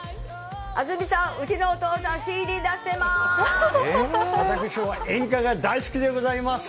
安住さん、うちのお父さん、ＣＤ出しています。